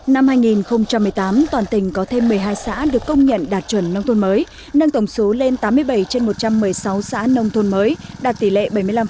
năm hai nghìn một mươi tám toàn tỉnh có thêm một mươi hai xã được công nhận đạt chuẩn nông thôn mới nâng tổng số lên tám mươi bảy trên một trăm một mươi sáu xã nông thôn mới đạt tỷ lệ bảy mươi năm